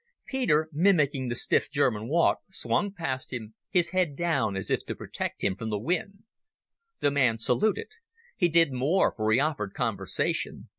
Peter, mimicking the stiff German walk, swung past him, his head down as if to protect him from the wind. The man saluted. He did more, for he offered conversation.